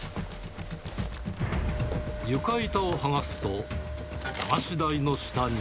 床板を剥がすと、流し台の下に。